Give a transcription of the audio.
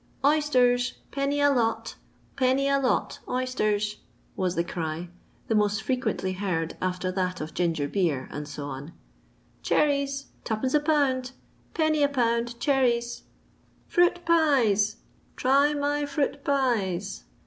" Oysters ! Penny a lot 1 Penny a lot, oysters i " vras the cry, the most frequently heaiti after that of ginger beer, &c. " Cherries ! Twopence a pound ! Penny a pound, cherries 1 "" Fruit pies ! Try my fruit pies